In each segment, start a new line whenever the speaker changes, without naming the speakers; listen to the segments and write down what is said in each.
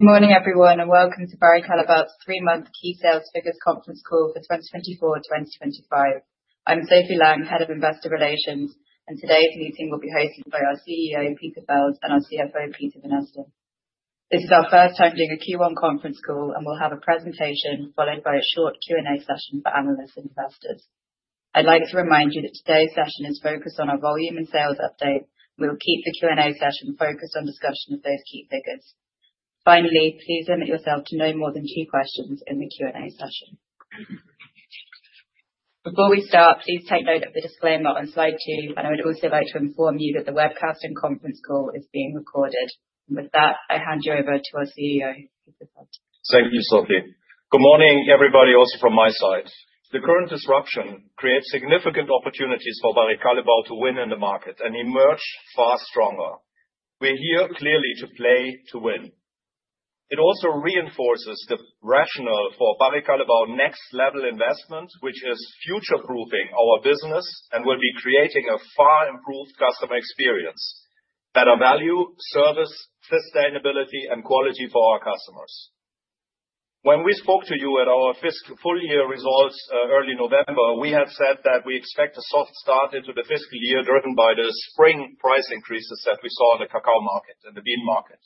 Good morning, everyone, and welcome to Barry Callebaut's Three-Month Key Sales Figures Conference Call For 2024-2025. I'm Sophie Lang, Head of Investor Relations, and today's meeting will be hosted by our CEO, Peter Feld, and our CFO, Peter Vanneste. This is our first time doing a Q1 Conference Call, and we'll have a presentation followed by a short Q&A session for analysts and investors. I'd like to remind you that today's session is focused on our volume and sales update, and we will keep the Q&A session focused on discussion of those key figures. Finally, please limit yourself to no more than two questions in the Q&A session. Before we start, please take note of the disclaimer on slide two, and I would also like to inform you that the webcast and conference call is being recorded. With that, I hand you over to our CEO, Peter Feld.
Thank you, Sophie. Good morning, everybody, also from my side. The current disruption creates significant opportunities for Barry Callebaut to win in the market and emerge far stronger. We're here clearly to play to win. It also reinforces the rationale for Barry Callebaut's Next Level investment, which is future-proofing our business and will be creating a far-improved customer experience, better value, service, sustainability, and quality for our customers. When we spoke to you at our fiscal full-year results early November, we had said that we expect a soft start into the fiscal year driven by the spring price increases that we saw in the cacao market and the bean market.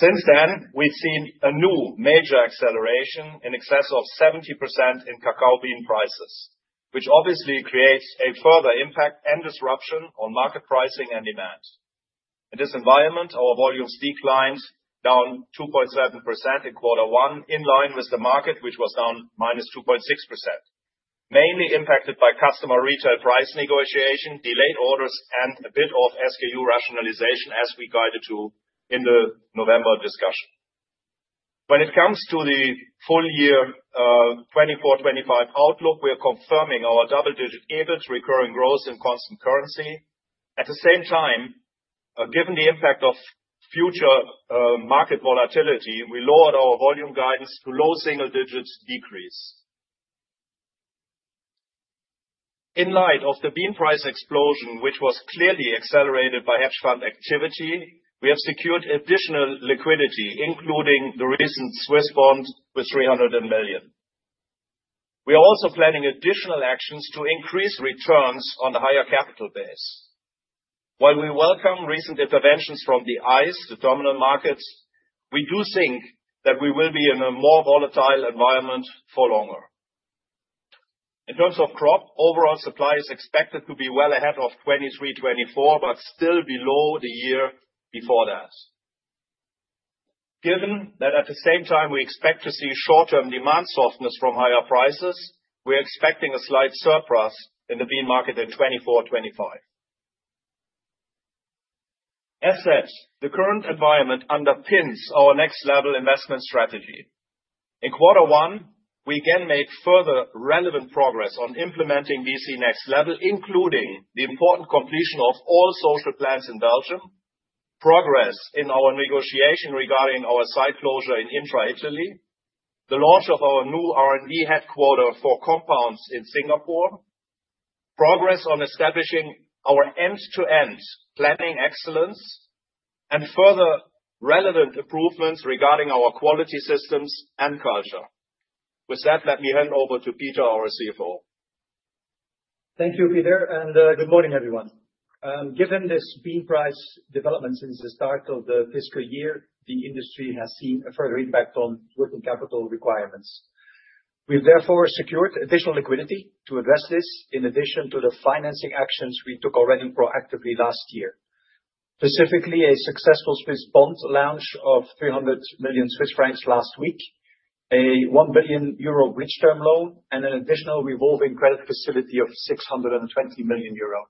Since then, we've seen a new major acceleration in excess of 70% in cacao bean prices, which obviously creates a further impact and disruption on market pricing and demand. In this environment, our volumes declined down 2.7% in quarter one, in line with the market, which was down -2.6%, mainly impacted by customer retail price negotiation, delayed orders, and a bit of SKU rationalization, as we guided to in the November discussion. When it comes to the full-year 2024-2025 outlook, we are confirming our double-digit EBIT, recurring growth, and constant currency. At the same time, given the impact of future market volatility, we lowered our volume guidance to low single-digit decrease. In light of the bean price explosion, which was clearly accelerated by hedge fund activity, we have secured additional liquidity, including the recent Swiss bond with 300 million. We are also planning additional actions to increase returns on the higher capital base. While we welcome recent interventions from the ICE, the dominant markets, we do think that we will be in a more volatile environment for longer. In terms of crop, overall supply is expected to be well ahead of 2023-2024 but still below the year before that. Given that at the same time we expect to see short-term demand softness from higher prices, we're expecting a slight surplus in the bean market in 2024-2025. As said, the current environment underpins our next-level investment strategy. In quarter one, we again made further relevant progress on implementing BC Next Level, including the important completion of all social plans in Belgium, progress in our negotiation regarding our site closure in Intra, Italy, the launch of our new R&D headquarter for compounds in Singapore, progress on establishing our end-to-end planning excellence, and further relevant improvements regarding our quality systems and culture. With that, let me hand over to Peter, our CFO.
Thank you, Peter, and good morning, everyone. Given this bean price development since the start of the fiscal year, the industry has seen a further impact on working capital requirements. We've therefore secured additional liquidity to address this, in addition to the financing actions we took already proactively last year, specifically a successful Swiss bond launch of 300 million Swiss francs last week, a 1 billion euro bridge term loan, and an additional revolving credit facility of 620 million euro.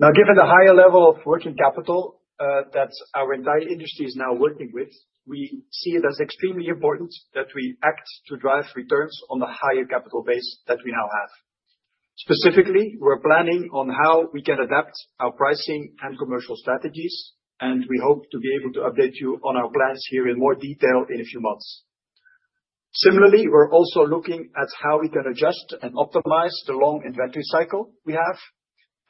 Now, given the higher level of working capital that our entire industry is now working with, we see it as extremely important that we act to drive returns on the higher capital base that we now have. Specifically, we're planning on how we can adapt our pricing and commercial strategies, and we hope to be able to update you on our plans here in more detail in a few months. Similarly, we're also looking at how we can adjust and optimize the long inventory cycle we have,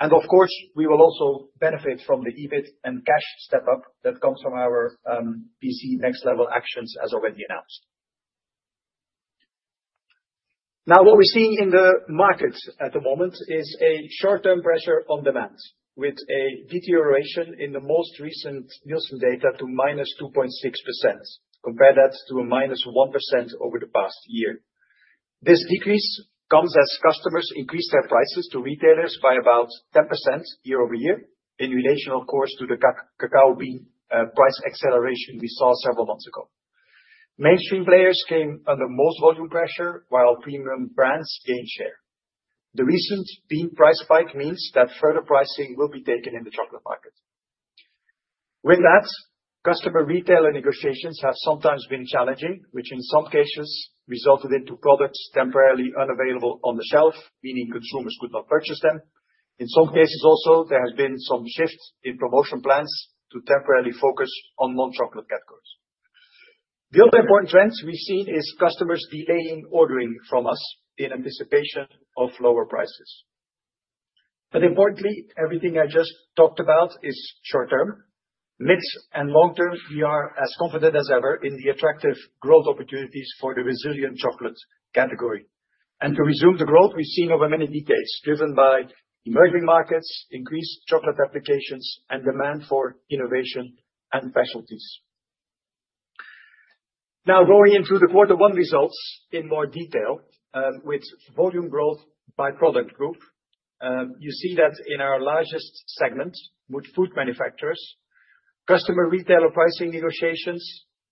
and of course, we will also benefit from the EBIT and cash step-up that comes from our BC Next Level actions as already announced. Now, what we're seeing in the market at the moment is a short-term pressure on demand, with a deterioration in the most recent Nielsen data to -2.6%. Compare that to a -1% over the past year. This decrease comes as customers increase their prices to retailers by about 10% year over year, in relation, of course, to the cacao bean price acceleration we saw several months ago. Mainstream players came under most volume pressure, while premium brands gained share. The recent bean price spike means that further pricing will be taken in the chocolate market. With that, customer retailer negotiations have sometimes been challenging, which in some cases resulted in products temporarily unavailable on the shelf, meaning consumers could not purchase them. In some cases also, there has been some shift in promotion plans to temporarily focus on non-chocolate categories. The other important trends we've seen is customers delaying ordering from us in anticipation of lower prices. But importantly, everything I just talked about is short-term. Mid and long-term, we are as confident as ever in the attractive growth opportunities for the resilient chocolate category and to resume the growth, we've seen over many decades driven by emerging markets, increased chocolate applications, and demand for innovation and specialties. Now, going into the quarter one results in more detail with volume growth by product group, you see that in our largest segment, Food Manufacturers, customer retailer pricing negotiations,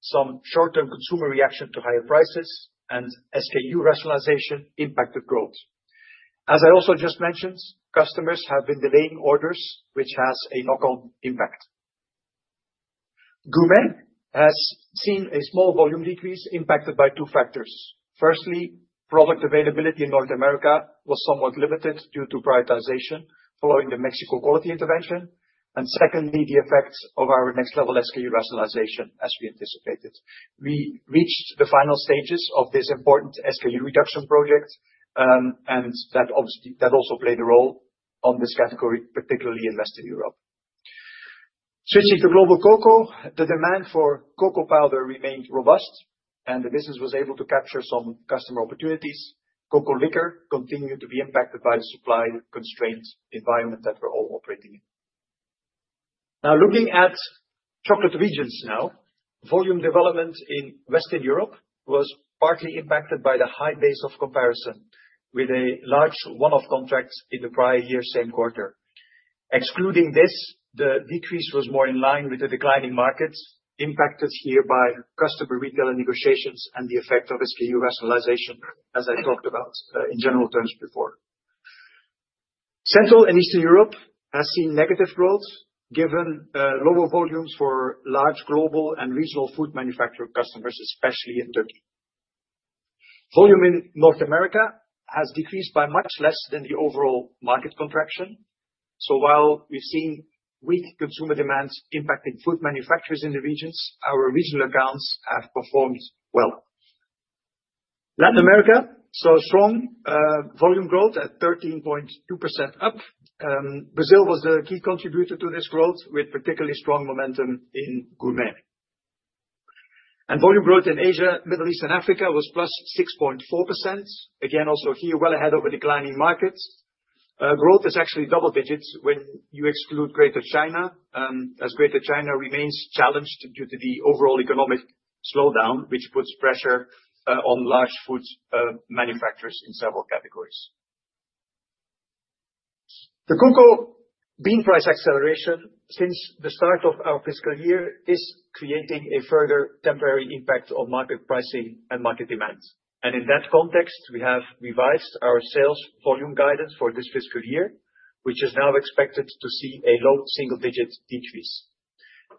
some short-term consumer reaction to higher prices, and SKU rationalization impacted growth. As I also just mentioned, customers have been delaying orders, which has a knock-on impact. Gourmet has seen a small volume decrease impacted by two factors. Firstly, product availability in North America was somewhat limited due to prioritization following the Mexico quality intervention, and secondly, the effects of our next level SKU rationalization as we anticipated. We reached the final stages of this important SKU reduction project, and that also played a role on this category, particularly in Western Europe. Switching to Global Cocoa, the demand for cocoa powder remained robust, and the business was able to capture some customer opportunities. Cocoa liquor continued to be impacted by the supply constraint environment that we're all operating in. Now, looking at chocolate regions, volume development in Western Europe was partly impacted by the high base of comparison with a large one-off contract in the prior year same quarter. Excluding this, the decrease was more in line with the declining markets impacted here by customer retailer negotiations and the effect of SKU rationalization, as I talked about in general terms before. Central and Eastern Europe has seen negative growth given lower volumes for large global and regional food manufacturer customers, especially in Turkey. Volume in North America has decreased by much less than the overall market contraction. So while we've seen weak consumer demands impacting food manufacturers in the regions, our regional accounts have performed well. Latin America saw strong volume growth at 13.2% up. Brazil was the key contributor to this growth, with particularly strong momentum in gourmet. And volume growth in Asia, Middle East, and Africa was plus 6.4%, again also here well ahead of a declining market. Growth is actually double-digits when you exclude Greater China, as Greater China remains challenged due to the overall economic slowdown, which puts pressure on large food manufacturers in several categories. The cocoa bean price acceleration since the start of our fiscal year is creating a further temporary impact on market pricing and market demand. And in that context, we have revised our sales volume guidance for this fiscal year, which is now expected to see a low single-digit decrease.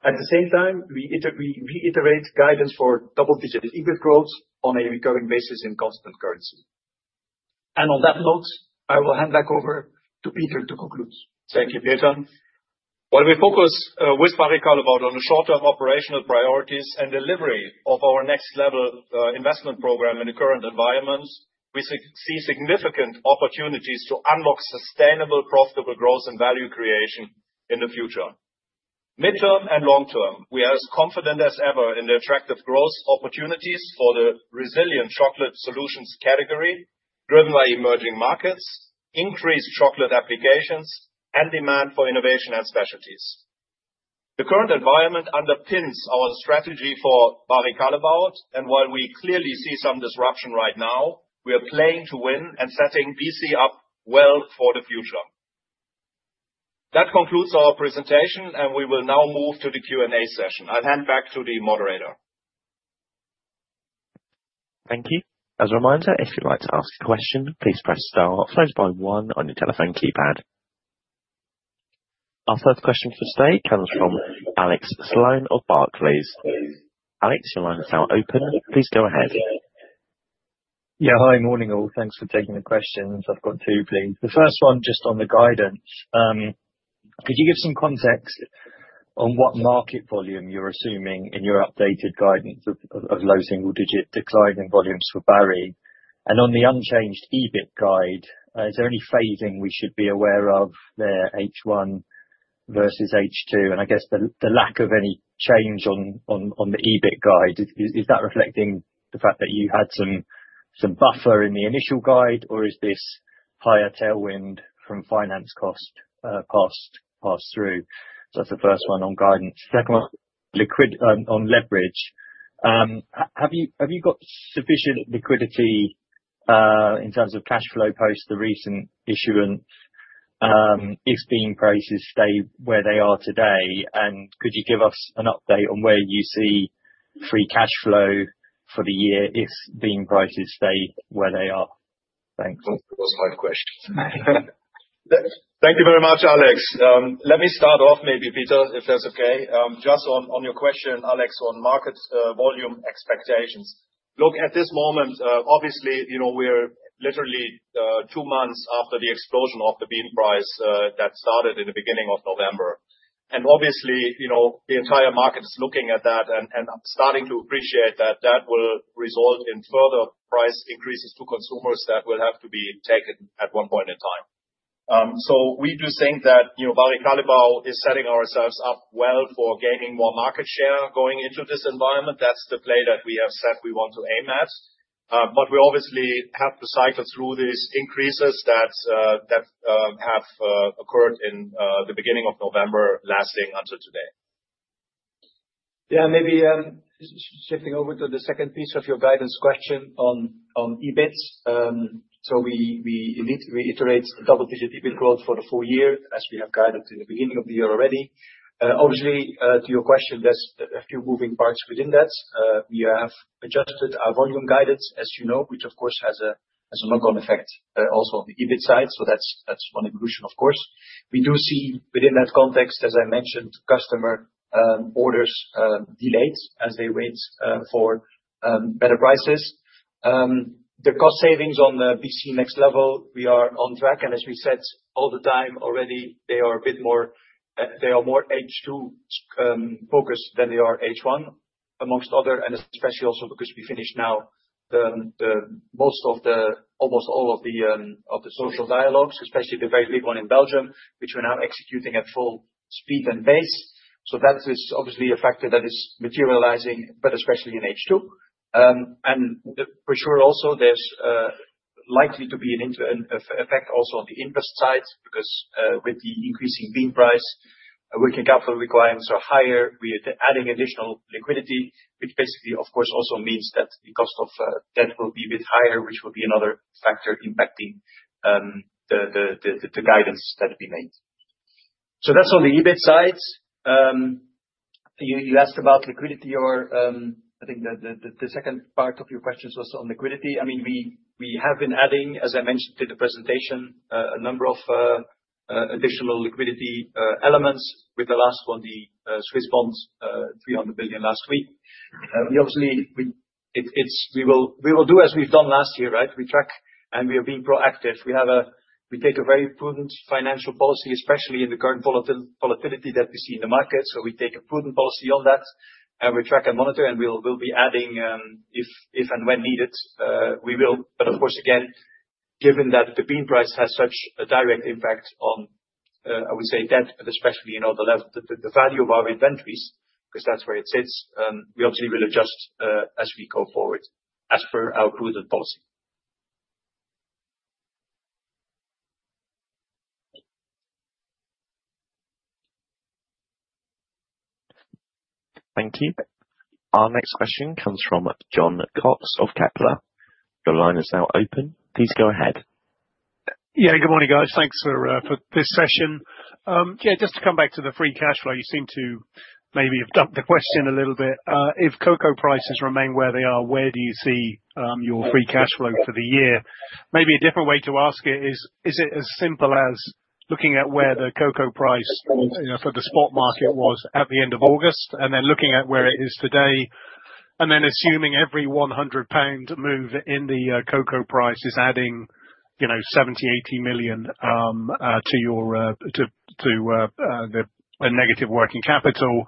At the same time, we reiterate guidance for double-digit EBIT growth on a recurring basis in constant currency. And on that note, I will hand back over to Peter to conclude. Thank you, Peter. While we focus with Barry Callebaut on the short-term operational priorities and delivery of our next-level investment program in the current environment, we see significant opportunities to unlock sustainable, profitable growth and value creation in the future. Midterm and long-term, we are as confident as ever in the attractive growth opportunities for the resilient chocolate solutions category driven by emerging markets, increased chocolate applications, and demand for innovation and specialties. The current environment underpins our strategy for Barry Callebaut, and while we clearly see some disruption right now, we are playing to win and setting BC up well for the future. That concludes our presentation, and we will now move to the Q&A session. I'll hand back to the moderator.
Thank you. As a reminder, if you'd like to ask a question, please press star followed by one on your telephone keypad. Our first question for today comes from Alex Sloane of Barclays, please. Alex, your line is now open. Please go ahead.
Yeah, hi, morning all. Thanks for taking the questions. I've got two, please. The first one just on the guidance. Could you give some context on what market volume you're assuming in your updated guidance of low single-digit declining volumes for Barry? And on the unchanged EBIT guide, is there any phasing we should be aware of there, H1 versus H2? And I guess the lack of any change on the EBIT guide, is that reflecting the fact that you had some buffer in the initial guide, or is this higher tailwind from finance cost passed through? So that's the first one on guidance. Second one on leverage. Have you got sufficient liquidity in terms of cash flow post the recent issuance if bean prices stay where they are today? Could you give us an update on where you see free cash flow for the year if bean prices stay where they are? Thanks.
That was my question. Thank you very much, Alex. Let me start off maybe, Peter, if that's okay. Just on your question, Alex, on market volume expectations, at this moment, obviously, we're literally two months after the explosion of the bean price that started in the beginning of November. And obviously, the entire market is looking at that and starting to appreciate that that will result in further price increases to consumers that will have to be taken at one point in time. So we do think that Barry Callebaut is setting ourselves up well for gaining more market share going into this environment. That's the play that we have said we want to aim at. But we obviously have to cycle through these increases that have occurred in the beginning of November lasting until today. Yeah. Maybe shifting over to the second piece of your guidance question on EBIT. So we reiterate double-digit EBIT growth for the full year as we have guided in the beginning of the year already. Obviously, to your question, there's a few moving parts within that. We have adjusted our volume guidance, as you know, which of course has a knock-on effect also on the EBIT side. So that's one evolution, of course. We do see within that context, as I mentioned, customer orders delayed as they wait for better prices. The cost savings on the BC Next Level, we are on track. And as we said all the time already, they are a bit more H2 focused than they are H1, among other, and especially also because we finished now almost all of the social dialogues, especially the very big one in Belgium, which we're now executing at full speed and pace. So that is obviously a factor that is materializing, but especially in H2. And for sure also, there's likely to be an effect also on the interest side because with the increasing bean price, working capital requirements are higher. We are adding additional liquidity, which basically, of course, also means that the cost of debt will be a bit higher, which will be another factor impacting the guidance that we made. So that's on the EBIT side. You asked about liquidity or I think the second part of your questions was on liquidity. I mean, we have been adding, as I mentioned in the presentation, a number of additional liquidity elements with the last one, the Swiss Bond, 300 million last week. We obviously will do as we've done last year, right? We track and we are being proactive. We take a very prudent financial policy, especially in the current volatility that we see in the market. So we take a prudent policy on that and we track and monitor, and we'll be adding if and when needed. We will, but of course, again, given that the bean price has such a direct impact on, I would say, debt, but especially the value of our inventories, because that's where it sits, we obviously will adjust as we go forward as per our prudent policy.
Thank you. Our next question comes from Jon Cox of Kepler. Your line is now open. Please go ahead.
Yeah, good morning, guys. Thanks for this session. Yeah, just to come back to the free cash flow, you seem to maybe have dumped the question a little bit. If cocoa prices remain where they are, where do you see your free cash flow for the year? Maybe a different way to ask it is, is it as simple as looking at where the cocoa price for the spot market was at the end of August and then looking at where it is today, and then assuming every 100 pound move in the cocoa price is adding 70-80 million to a negative working capital?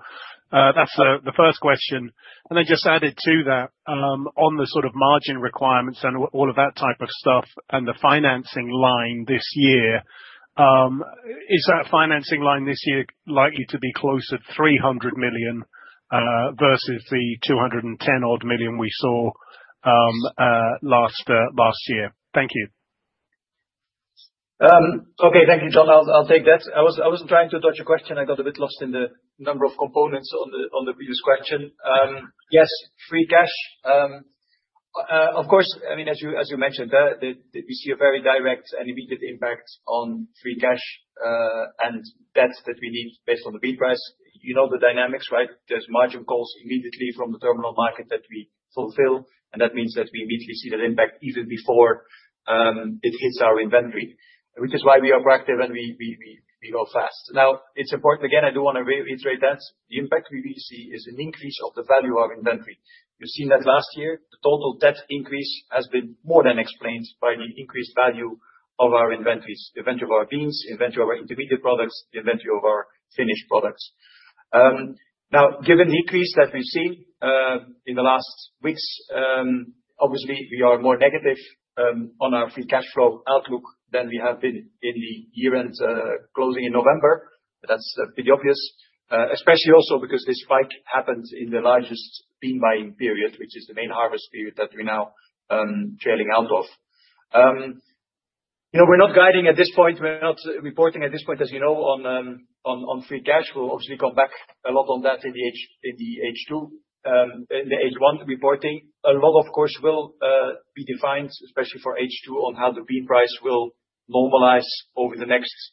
That's the first question. And then just added to that, on the sort of margin requirements and all of that type of stuff and the financing line this year, is that financing line this year likely to be closer to 300 million versus the 210-odd million we saw last year? Thank you.
Okay, thank you, Jon. I'll take that. I wasn't trying to dodge a question. I got a bit lost in the number of components on the previous question. Yes, free cash. Of course, I mean, as you mentioned, we see a very direct and immediate impact on free cash and debt that we need based on the bean price. You know the dynamics, right? There's margin calls immediately from the terminal market that we fulfill, and that means that we immediately see that impact even before it hits our inventory, which is why we are proactive and we go fast. Now, it's important. Again, I do want to reiterate that the impact we really see is an increase of the value of our inventory. You've seen that last year, the total debt increase has been more than explained by the increased value of our inventories, the inventory of our beans, the inventory of our intermediate products, the inventory of our finished products. Now, given the increase that we've seen in the last weeks, obviously, we are more negative on our free cash flow outlook than we have been in the year-end closing in November. That's pretty obvious, especially also because this spike happened in the largest bean buying period, which is the main harvest period that we're now trailing out of. We're not guiding at this point. We're not reporting at this point, as you know, on free cash. We'll obviously come back a lot on that in the H2, in the H1 reporting. A lot, of course, will be defined, especially for H2, on how the bean price will normalize over the next weeks.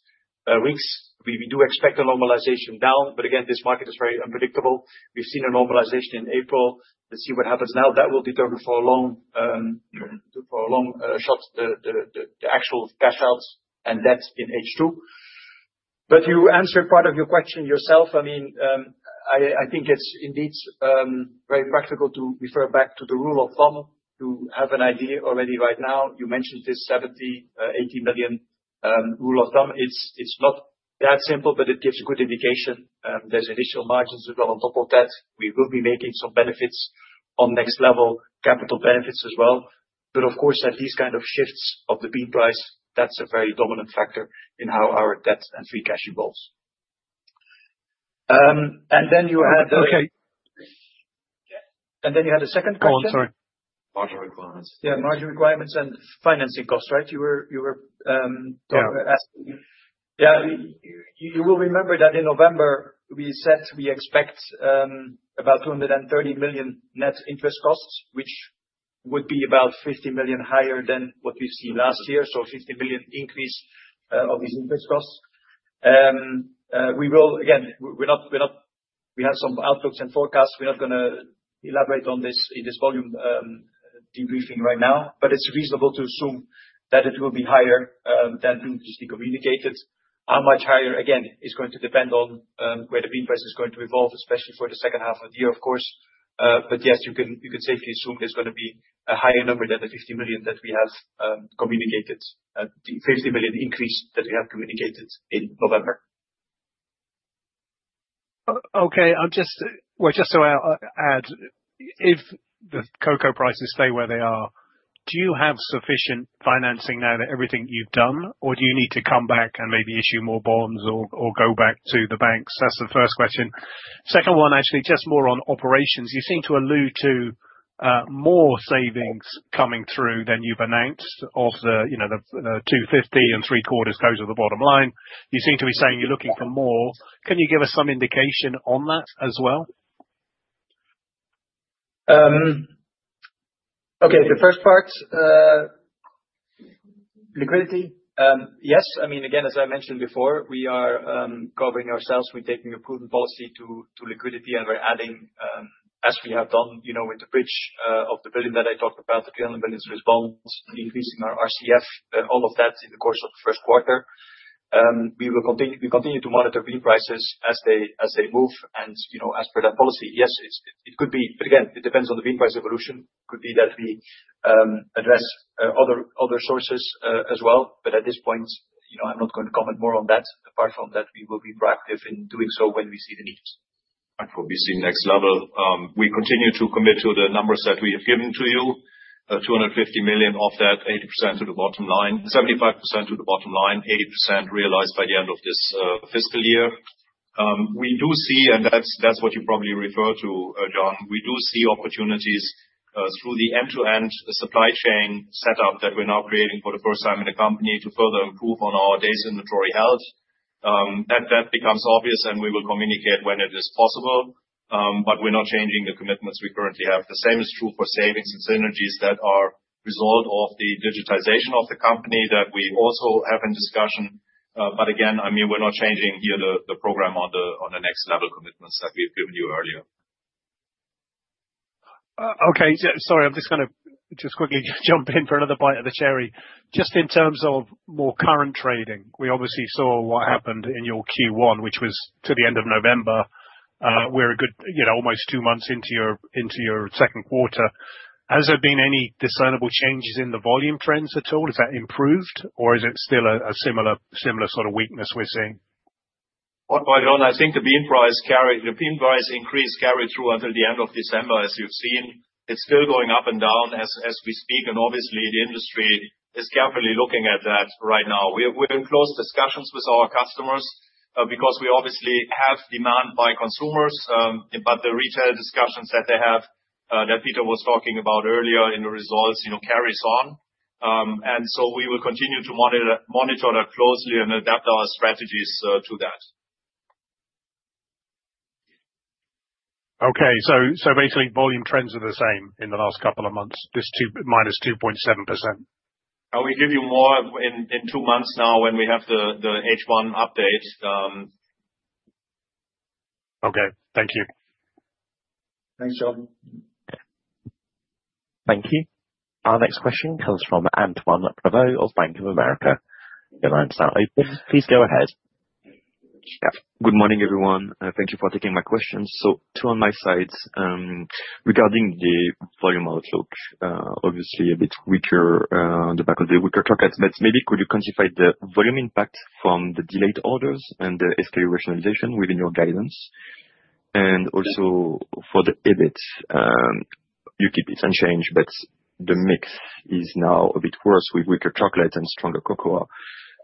We do expect a normalization down, but again, this market is very unpredictable. We've seen a normalization in April. Let's see what happens now. That will determine for a long shot the actual cash outs and debts in H2. But you answered part of your question yourself. I mean, I think it's indeed very practical to refer back to the rule of thumb to have an idea already right now. You mentioned this 70-80 million rule of thumb. It's not that simple, but it gives a good indication. There's initial margins as well. On top of that, we will be making some benefits on next level capital benefits as well. But of course, at these kind of shifts of the bean price, that's a very dominant factor in how our debt and free cash evolves. And then you had the.
Okay.
And then you had a second question.
Oh, I'm sorry.
Margin requirements.
Yeah, margin requirements and financing costs, right? You were asking. Yeah.
Yeah. You will remember that in November, we said we expect about 230 million net interest costs, which would be about 50 million higher than what we've seen last year. So 50 million increase of these interest costs. We will, again, we have some outlooks and forecasts. We're not going to elaborate on this in this volume debriefing right now, but it's reasonable to assume that it will be higher than previously communicated. How much higher, again, is going to depend on where the bean price is going to evolve, especially for the second half of the year, of course. But yes, you can safely assume there's going to be a higher number than the 50 million that we have communicated, the 50 million increase that we have communicated in November. Okay.
Just to add, if the cocoa prices stay where they are, do you have sufficient financing now that everything you've done, or do you need to come back and maybe issue more bonds or go back to the banks? That's the first question. Second one, actually, just more on operations. You seem to allude to more savings coming through than you've announced of the 250 and three-quarters goes to the bottom line. You seem to be saying you're looking for more. Can you give us some indication on that as well?
Okay. The first part, liquidity. Yes. I mean, again, as I mentioned before, we are covering ourselves. We're taking a prudent policy to liquidity, and we're adding, as we have done with the €1 billion bridge that I talked about, the 300 million Swiss bonds, increasing our RCF, all of that in the course of the first quarter. We continue to monitor bean prices as they move. And as per that policy, yes, it could be. But again, it depends on the bean price evolution. It could be that we address other sources as well. But at this point, I'm not going to comment more on that apart from that we will be proactive in doing so when we see the need. For BC Next Level, we continue to commit to the numbers that we have given to you. 250 million of that, 80% to the bottom line, 75% to the bottom line, 80% realized by the end of this fiscal year. We do see, and that's what you probably referred to, John, we do see opportunities through the end-to-end supply chain setup that we're now creating for the first time in the company to further improve on our data inventory health. That becomes obvious, and we will communicate when it is possible. But we're not changing the commitments we currently have. The same is true for savings and synergies that are result of the digitization of the company that we also have in discussion. But again, I mean, we're not changing here the program on the next level commitments that we've given you earlier.
Okay. Sorry, I'm just going to just quickly jump in for another bite of the cherry. Just in terms of more current trading, we obviously saw what happened in your Q1, which was to the end of November. We're almost two months into your second quarter. Has there been any discernible changes in the volume trends at all? Has that improved, or is it still a similar sort of weakness we're seeing?
Jon, I think the bean price increase carried through until the end of December, as you've seen. It's still going up and down as we speak. And obviously, the industry is carefully looking at that right now. We're in close discussions with our customers because we obviously have demand by consumers, but the retail discussions that they have, that Peter was talking about earlier in the results, carries on. And so we will continue to monitor that closely and adapt our strategies to that.
Okay, so basically, volume trends are the same in the last couple of months, minus 2.7%?
We give you more in two months now when we have the H1 update.
Okay. Thank you.
Thanks, John.
Thank you. Our next question comes from Antoine Prévost of Bank of America. Your line's now open. Please go ahead.
Yeah. Good morning, everyone. Thank you for taking my questions. So, two on my side. Regarding the volume outlook, obviously a bit weaker on the back of the weaker markets. But maybe could you quantify the volume impact from the delayed orders and the SKU rationalization within your guidance? And also for the EBIT, you keep it unchanged, but the mix is now a bit worse with weaker chocolate and stronger cocoa.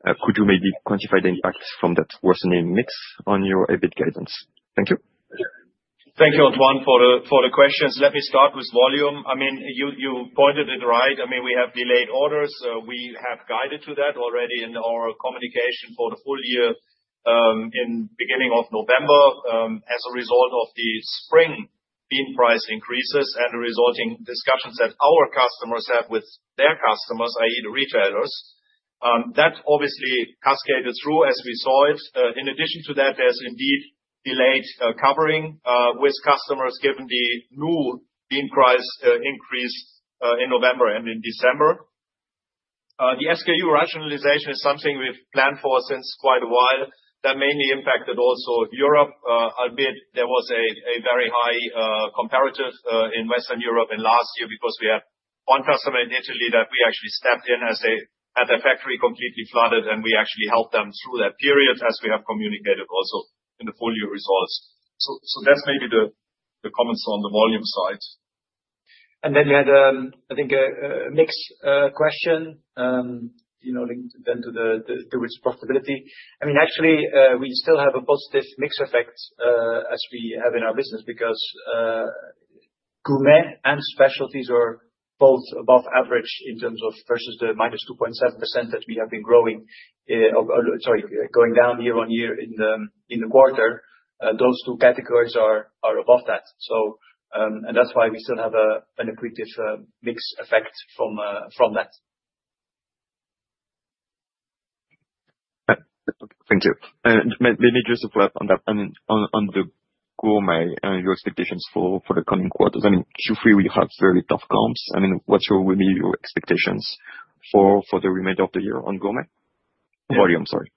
Could you maybe quantify the impact from that worsening mix on your EBIT guidance? Thank you.
Thank you, Antoine, for the questions. Let me start with volume. I mean, you pointed it right. I mean, we have delayed orders. We have guided to that already in our communication for the full year in the beginning of November as a result of the cocoa bean price increases and the resulting discussions that our customers have with their customers, i.e., the retailers. That obviously cascaded through as we saw it. In addition to that, there's indeed delayed covering with customers given the new bean price increase in November and in December. The SKU rationalization is something we've planned for since quite a while. That mainly impacted also Europe, albeit there was a very high comparative in Western Europe in last year because we had one customer in Italy that we actually stepped in as they had their factory completely flooded, and we actually helped them through that period as we have communicated also in the full year results. So that's maybe the comments on the volume side. Then we had, I think, a mixed question linked then to its profitability. I mean, actually, we still have a positive mix effect as we have in our business because Gourmet and specialties are both above average in terms of versus the -2.7% that we have been growing, sorry, going down year on year in the quarter. Those two categories are above that. That's why we still have an additive mix effect from that.
Thank you. And maybe just to follow up on that, I mean, on the gourmet, your expectations for the coming quarters? I mean, truthfully, we have fairly tough comps. I mean, what will be your expectations for the remainder of the year on gourmet volume, sorry?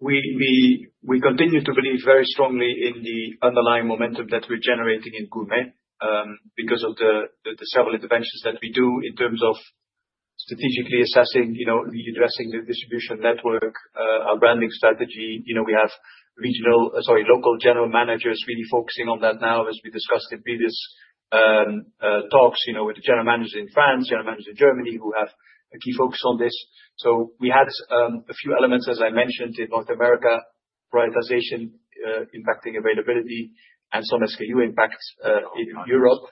We continue to believe very strongly in the underlying momentum that we're generating in Gourmet because of the several interventions that we do in terms of strategically assessing, readdressing the distribution network, our branding strategy. We have regional, sorry, local general managers really focusing on that now, as we discussed in previous talks with the general managers in France, general managers in Germany who have a key focus on this. So we had a few elements, as I mentioned, in North America, prioritization impacting availability and some SKU impact in Europe.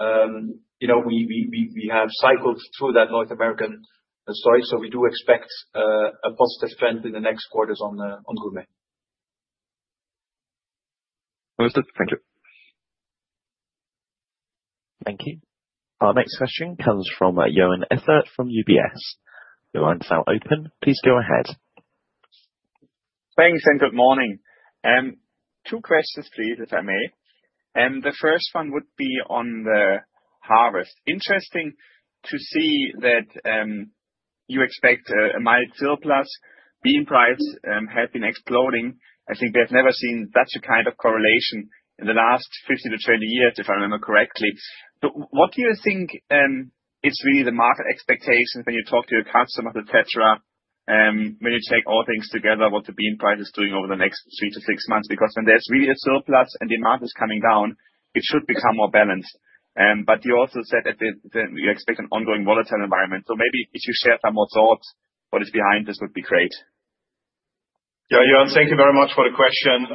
We have cycled through that North American story. So we do expect a positive trend in the next quarters on Gourmet. Understood. Thank you.
Thank you. Our next question comes from Joern Iffert from UBS. Your line's now open. Please go ahead.
Thanks and good morning. Two questions, please, if I may. And the first one would be on the harvest. Interesting to see that you expect a mild surplus. Bean price has been exploding. I think we have never seen such a kind of correlation in the last 15 to 20 years, if I remember correctly. So what do you think is really the market expectations when you talk to your customers, etc., when you take all things together, what the bean price is doing over the next three to six months? Because when there's really a surplus and demand is coming down, it should become more balanced. But you also said that you expect an ongoing volatile environment. So maybe if you share some more thoughts on what is behind this would be great.
Yeah, Joern, thank you very much for the question.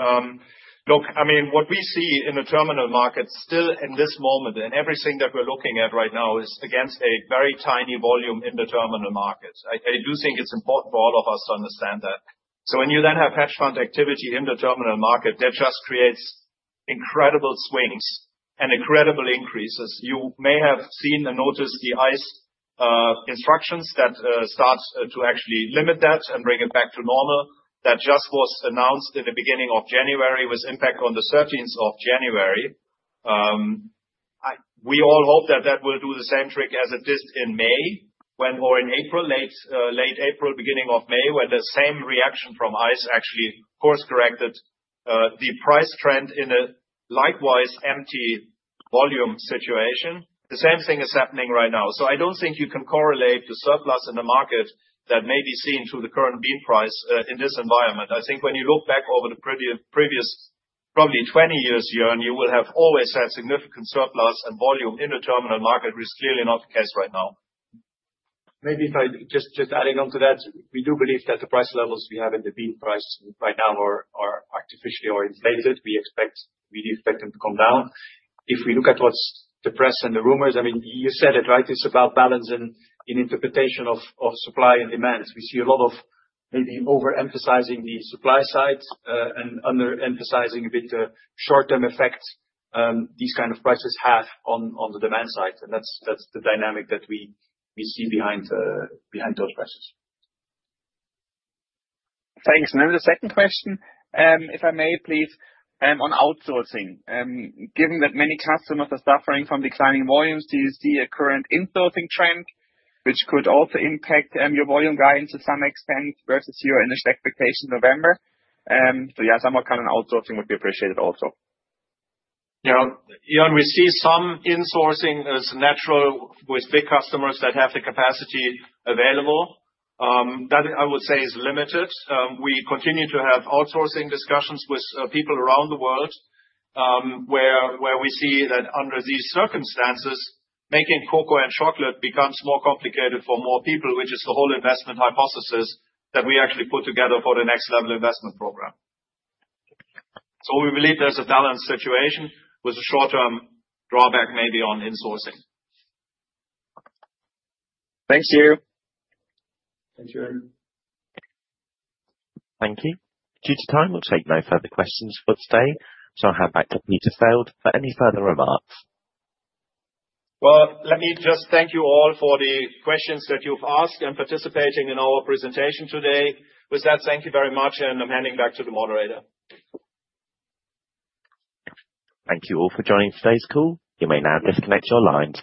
Look, I mean, what we see in the terminal markets still in this moment, and everything that we're looking at right now is against a very tiny volume in the terminal markets. I do think it's important for all of us to understand that. So when you then have hedge fund activity in the terminal market, that just creates incredible swings and incredible increases. You may have seen and noticed the ICE instructions that start to actually limit that and bring it back to normal. That just was announced in the beginning of January with impact on the 13th of January. We all hope that that will do the same trick as it did in May or in April, late April, beginning of May, when the same reaction from ICE actually course-corrected the price trend in a likewise empty volume situation. The same thing is happening right now. So I don't think you can correlate the surplus in the market that may be seen through the current bean price in this environment. I think when you look back over the previous probably 20 years, Joern, you will have always had significant surplus and volume in the terminal market, which is clearly not the case right now.
Maybe if I just adding on to that, we do believe that the price levels we have in the bean price right now are artificially oriented. We expect them to come down. If we look at what the press and the rumors, I mean, you said it, right? It's about balance in interpretation of supply and demand. We see a lot of maybe overemphasizing the supply side and underemphasizing a bit the short-term effect these kind of prices have on the demand side. And that's the dynamic that we see behind those prices.
Thanks. And then the second question, if I may, please, on outsourcing. Given that many customers are suffering from declining volumes, do you see a current insourcing trend, which could also impact your volume guidance to some extent versus your initial expectation in November? So yeah, some kind of outsourcing would be appreciated also.
Yeah. Joern, we see some insourcing as natural with big customers that have the capacity available. That I would say is limited. We continue to have outsourcing discussions with people around the world where we see that under these circumstances, making cocoa and chocolate becomes more complicated for more people, which is the whole investment hypothesis that we actually put together for the BC Next Level investment program. So we believe there's a balanced situation with a short-term drawback maybe on insourcing.
Thanks, Steve.
Thank you, Andrew.
Thank you. Due to time, we'll take no further questions for today. So I'll hand back to Peter Feld for any further remarks.
Let me just thank you all for the questions that you've asked and participating in our presentation today. With that, thank you very much, and I'm handing back to the moderator.
Thank you all for joining today's call. You may now disconnect your lines.